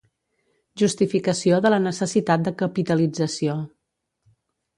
Justificació de la necessitat de Capitalització.